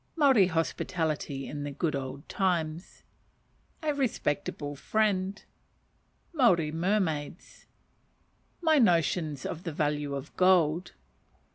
Maori Hospitality in the Good Old Times. A respectable Friend. Maori Mermaids. My Notions of the Value of Gold.